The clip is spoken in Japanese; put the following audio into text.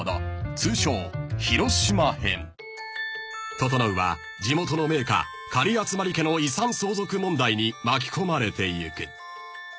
［整は地元の名家狩集家の遺産相続問題に巻き込まれてゆく］